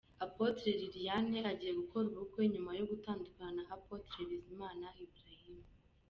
Apotre Liliane agiye gukora ubukwe nyuma yo gutandukana na Apotre Bizimana Ibrahim.